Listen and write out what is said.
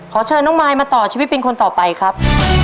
ขอเชิญน้องมายมาต่อชีวิตเป็นคนต่อไปครับ